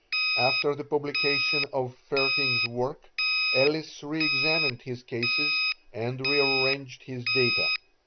After the publication of Vaerting's work, Ellis re examined his cases, and rearranged his data.